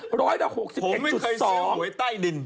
ผมไม่เคยซื้อหวยใต้ดิน